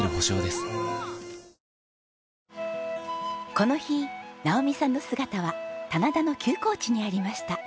この日直美さんの姿は棚田の休耕地にありました。